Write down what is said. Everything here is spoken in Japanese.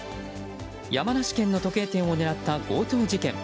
山梨県の時計店を狙った強盗事件。